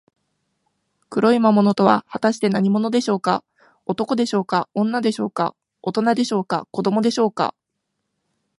黒い魔物とは、はたして何者でしょうか。男でしょうか、女でしょうか、おとなでしょうか、子どもでしょうか。